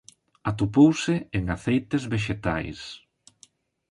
Atopouse en aceites vexetais.